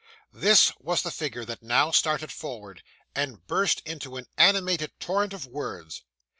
This was the figure that now started forward, and burst into an animated torrent of words.